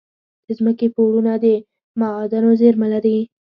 د ځمکې پوړونه د معادنو زیرمه لري.